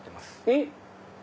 えっ？